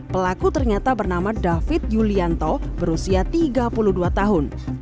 pelaku ternyata bernama david yulianto berusia tiga puluh dua tahun